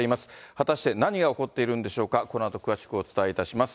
果たして何が起こっているんでしょうか、このあと詳しくお伝えいたします。